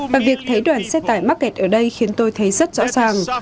và việc thấy đoàn xe tải mắc kẹt ở đây khiến tôi thấy rất rõ ràng